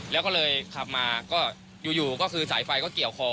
แล้วเลยขับมาอยู่แสฟไฟก็เกี่ยวคอ